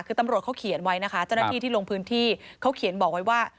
คือตำรวจเขาเขียนไว้นะคะเจ้าหน้าที่ที่ลงพื้นที่เขาเขียนบอกไว้ว่า